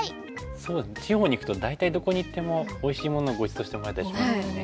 そうですね地方に行くと大体どこに行ってもおいしいものをごちそうしてもらえたりしますよね。